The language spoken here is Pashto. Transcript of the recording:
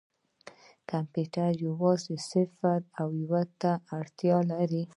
کمپیوټر یوازې صفر او یو ته اړتیا لري.